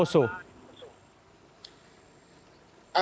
pos pos itu samp yang memastikan